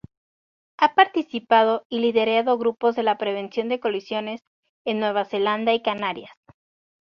Ha participado y liderado grupos de prevención de colisiones en Nueva Zelanda y Canarias.